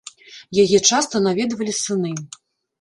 Яе часта наведвалі сыны.